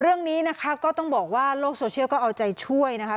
เรื่องนี้นะคะก็ต้องบอกว่าโลกโซเชียลก็เอาใจช่วยนะคะ